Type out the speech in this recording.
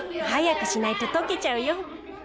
早くしないと溶けちゃうよ。